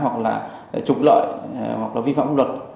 để trục lợi hoặc là vi phạm luật